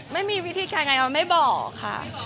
ไม่มีวิธีการไงออนไม่บอกค่ะ